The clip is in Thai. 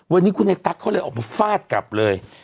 วันนี้คุณไอ้ตั๊กเขาเลยออกมาฟาดกลับเลย